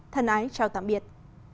thân ái chào tạm biệt